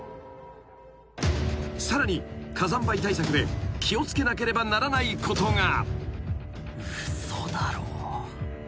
［さらに火山灰対策で気を付けなければならないことが］